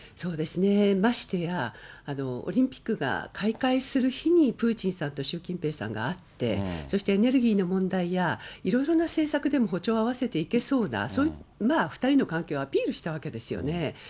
ましてや、オリンピックが開会する日にプーチンさんと習近平さんが会って、そしてエネルギーの問題や、いろいろな政策でも歩調を合わせていけそうな、そういう、２人の関係をアピールしたわけですよね。